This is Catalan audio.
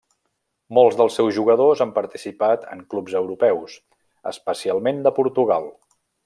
Molts dels seus jugadors han participat en clubs europeus, especialment de Portugal.